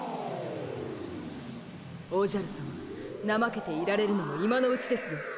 おじゃるさまなまけていられるのも今のうちですぞ。